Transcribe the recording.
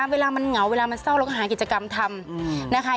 เวลามันเหงาเวลามันเศร้าเราก็หากิจกรรมทำนะคะ